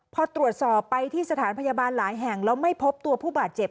พอตรวจสอบไปที่สถานพยาบาลหลายแห่งแล้วไม่พบตัวผู้บาดเจ็บ